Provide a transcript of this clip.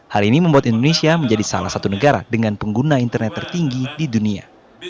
hal ini membuat indonesia menjadi salah satu negara dengan pengguna internet tertinggi di dunia